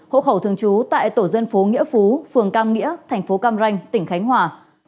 hộ khẩu thường trú tại tổ dân phố nghĩa phú phường cam nghĩa thành phố cam ranh tỉnh khánh hòa